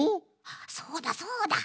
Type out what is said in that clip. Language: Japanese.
そうだそうだ！